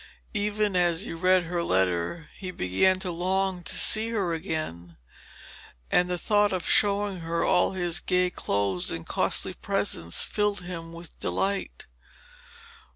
Even as he read her letter he began to long to see her again, and the thought of showing her all his gay clothes and costly presents filled him with delight.